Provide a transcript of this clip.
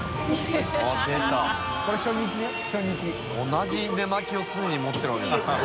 同じ寝間着を常に持ってるわけですね。